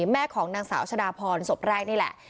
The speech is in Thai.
แม่ของนางสาวชะดาพรศพแรกนี่แหละ